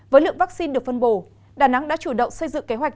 với lượng vaccine được phân bổ đà nẵng đã chủ động xây dựng kế hoạch